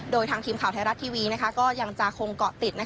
โดยทางทีมข่าวไทยรัฐทีวีก็ยังจะคงเกาะติด